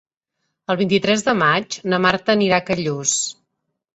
El vint-i-tres de maig na Marta anirà a Callús.